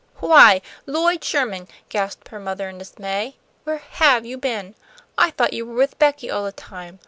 "Why, Lloyd Sherman!" gasped her mother, in dismay. "Where have you been? I thought you were with Becky all the time.